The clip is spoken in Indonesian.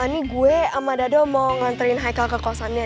ini gue sama dado mau nganterin hicle ke kosannya